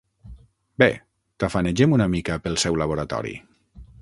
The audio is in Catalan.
Bé, tafanegem una mica pel seu laboratori.